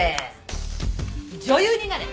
「女優になれ！」。